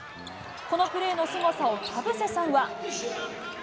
このプレーのすごさを、田臥さんは。